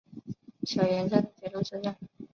小岩站的铁路车站。